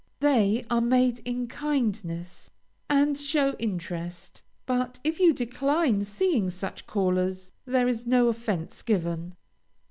They are made in kindness, and show interest, but if you decline seeing such callers, there is no offence given.